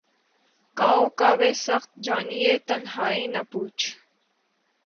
کاؤ کاوِ سخت جانیہائے تنہائی، نہ پوچھ